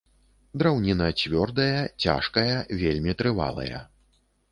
Драўніна цвёрдая, цяжкая, вельмі трывалая.